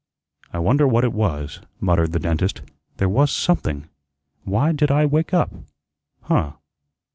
"I wonder what it was," muttered the dentist. "There was something why did I wake up? Huh?"